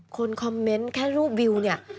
คนคอมเมนต์แค่รูปวิวเนี่ย